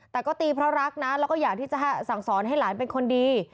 แต่ก็ตีเพราะรักนะแล้วก็อยากที่จะสั่งสอนให้หลานเป็นคนดี